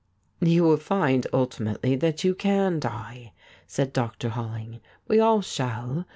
'You will find ultimately that you can die/ said Dr. Holling. ' We all shall.